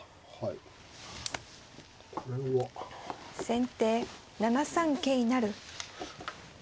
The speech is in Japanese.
先手７三桂成。